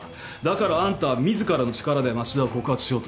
だからあんたは自らの力で町田を告発しようとした。